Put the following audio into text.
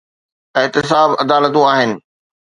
احتساب عدالتون آهن.